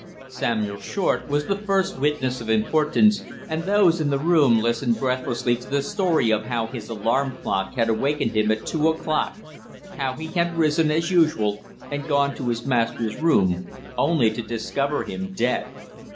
Samuel Short was the first witness of importance, and those in the room listened breathlessly to the story of how his alarum clock had awakened him at two o'clock; how he had risen as usual and gone to his master's room, only to discover him dead.